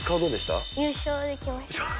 優勝できました。